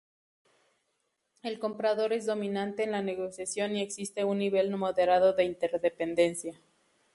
El comprador es dominante en la negociación y existe un nivel moderado de interdependencia.